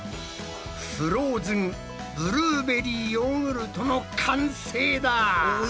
フローズンブルーベリーヨーグルトの完成だ！